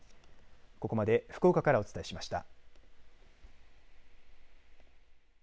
ここまで福岡からお伝えしました。